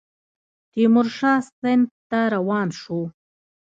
تیمورشاه سند ته روان شو.